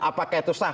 apakah itu sah